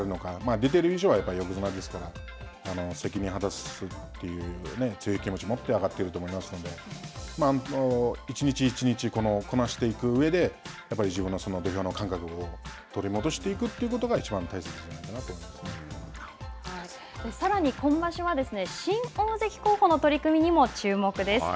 出ている以上は横綱ですから、責任を果たすという強い気持ちを持って上がっていると思いますので、一日一日、こなしていく上でやっぱり自分の土俵の感覚を取り戻していくということがいちばんさらに、今場所は、新大関候補の取組にも注目です。